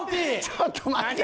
ちょっと待って。